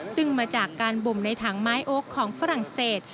ซึ่งมาจากการบ่มในถังไม้โอ๊คของฝรั่งเศส